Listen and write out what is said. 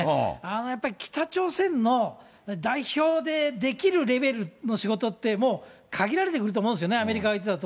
やっぱり北朝鮮の代表でできるレベルの仕事って、もう限られてくると思うんですよね、アメリカが相手だと。